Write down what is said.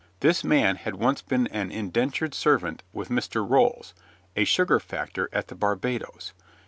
This man had once been an indentured servant with Mr. Rolls, a sugar factor at the Barbados.